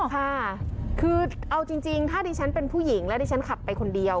ค่ะคือเอาจริงถ้าดิฉันเป็นผู้หญิงแล้วดิฉันขับไปคนเดียว